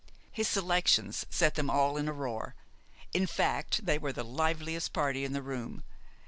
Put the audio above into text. His selections set them all in a roar. In fact, they were the liveliest party in the room.